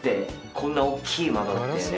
こんな大きい窓ってね。